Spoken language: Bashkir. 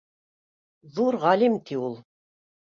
Ҙур ғалим, ти, ул